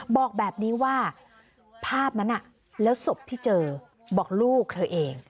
บอกแบบนี้ว่าภาพนั้นแล้วศพที่เจอบอกลูกเธอเอง